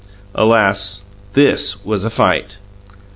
Alas, this was a fight.